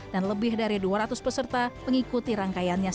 dan lebih dari dua ratus peserta pengikutnya